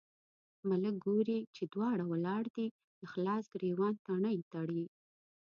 ملک ګوري چې دواړه ولاړ دي، د خلاص ګرېوان تڼۍ تړي.